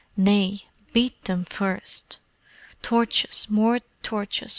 Nay, beat them first! Torches! More torches!